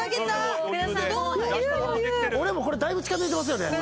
俺もこれだいぶ近づいてますよね。